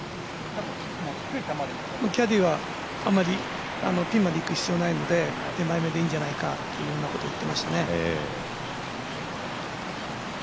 キャディーはあまりピンまでいく必要がないので手前めでいいんじゃないかということを言っていましたね。